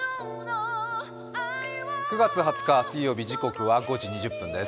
９月２０日水曜日、時刻は５時２０分です。